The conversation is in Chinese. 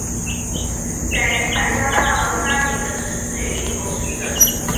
改进版加大了翻领的尺寸与领口尺寸。